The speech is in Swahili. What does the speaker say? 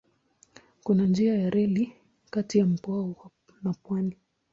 Kuna njia ya reli kati ya mkoa na pwani.